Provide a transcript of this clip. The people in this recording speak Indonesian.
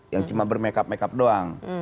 yang cuma bermake up make up doang